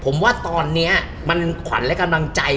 ผมว่าตอนนี้มันขวัญและกำลังใจ